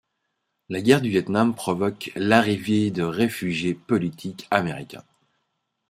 La guerre du Viêt Nam provoqua l'arrivée de réfugiés politiques américains.